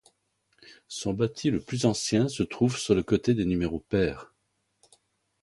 Son bâti le plus ancien se trouve sur le côté des numéros pairs.